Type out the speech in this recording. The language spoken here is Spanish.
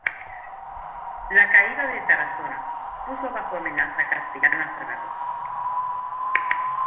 La caída de Tarazona puso bajo amenaza castellana Zaragoza.